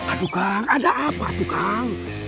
aduh kang ada apa tuh kang